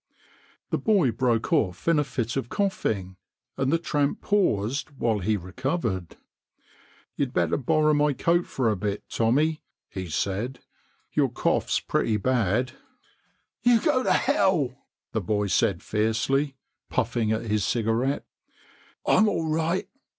The boy broke off in a fit of coughing, and the tramp paused while he recovered. "You'd better borrow my coat for a bit, Tommy," he said, " your cough's pretty bad." " You go to hell I " the boy said fiercely, puffing at his cigarette ;" I'm all right.